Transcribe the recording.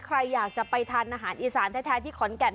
ใครอยากจะไปทานอาหารอีสานแท้ที่ขอนแก่น